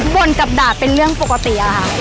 บ่นกับด่าเป็นเรื่องปกติอะค่ะ